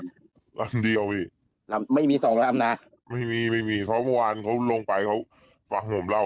ลำเดียวอีกไม่มีสองลำนะไม่มีไม่มีเพราะเมื่อวานเขาลงไปเขาฟังห่วงเรา